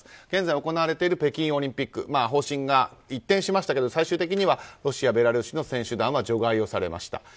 現在行われている北京オリンピック方針が一転しましたが最終的にはロシアベラルーシの選手は除外されました。